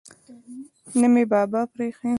نه مې بابا پریښی.